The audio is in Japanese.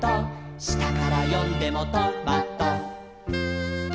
「したからよんでもト・マ・ト」